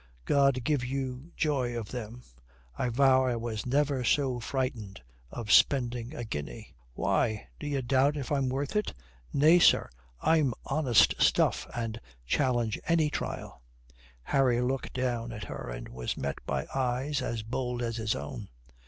"God give you joy of them. I vow I was never so frightened of spending a guinea." "Why, d'ye doubt if I'm worth it? Nay, sir, I'm honest stuff and challenge any trial." Harry looked down at her and was met by eyes as bold as his own.